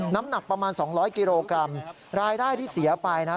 น้ำหนักประมาณ๒๐๐กิโลกรัมรายได้ที่เสียไปนะ